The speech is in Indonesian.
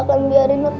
aku mau pulih ngerah